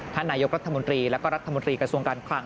นายกรัฐมนตรีแล้วก็รัฐมนตรีกระทรวงการคลัง